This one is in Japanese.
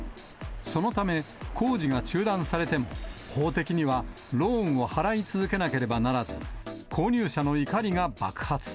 そのため、工事が中断されても、法的にはローンを払い続けなければならず、購入者の怒りが爆発。